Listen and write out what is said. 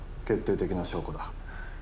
決定的な証拠だ。